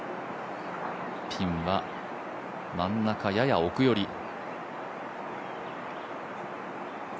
ピンは真ん中、やや奥寄り。